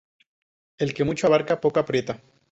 El que mucho abarca, poco aprieta